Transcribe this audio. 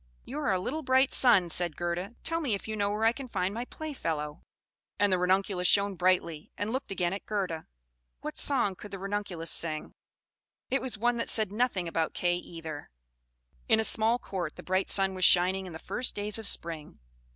"You are a little bright sun!" said Gerda. "Tell me if you know where I can find my playfellow." And the Ranunculus shone brightly, and looked again at Gerda. What song could the Ranunculus sing? It was one that said nothing about Kay either. "In a small court the bright sun was shining in the first days of spring.